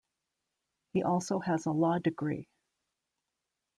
He also has a law degree.